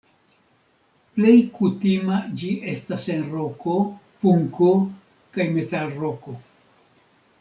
Plej kutima ĝi estas en roko, punko kaj metalroko.